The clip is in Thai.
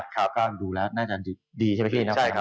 ก็ดูแล้วน่าจะดีใช่ไหมพี่นะ